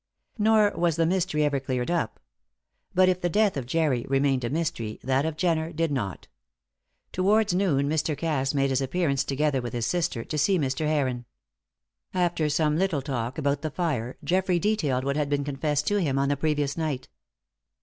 Nor was the mystery ever cleared up. But if the death of Jerry remained a mystery that of Jenner did not. Towards noon Mr. Cass made his appearance together with his sister to see Mr. Heron. After some little talk about the fire, Geoffrey detailed what had been confessed to him on the previous night.